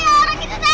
kali itu kak